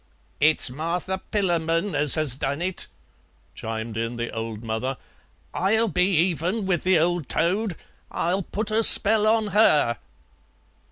"It's Martha Pillamon as has done it," chimed in the old mother; "I'll be even with the old toad. I'll put a spell on her."